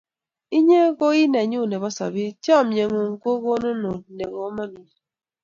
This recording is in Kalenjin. Inye ko i nenyun nepo sobet, chomyeng'ung' ko konunot ne komonut.